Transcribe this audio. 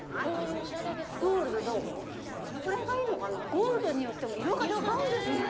ゴールドによっても色が違うんですね。